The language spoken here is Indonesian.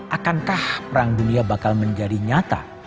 akankah perang dunia bakal menjadi nyata